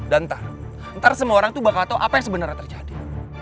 dan ntar ntar semua orang tuh bakal tau apa yang sebenarnya terjadi